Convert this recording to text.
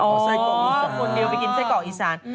บ้าพวกเราเดียวไปกินไส้เกาะอีสาน